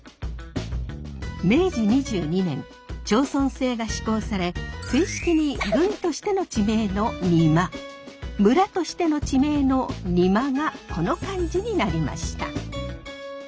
明治２２年町村制が施行され正式に郡としての地名の「邇摩」村としての地名の「仁万」がこの漢字になりました。